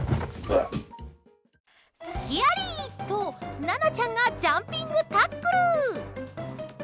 隙あり！と、奈々ちゃんがジャンピングタックル。